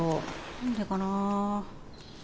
何でかな。